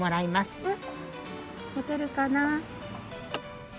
もてるかな？